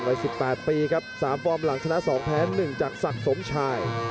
วัยสิบแปดปีครับสามฟอร์มหลังชนะสองแพ้หนึ่งจากสักสมชาย